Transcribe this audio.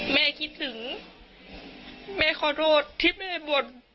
แม่คิดถึงแม่ขอโทษที่แม่บ่น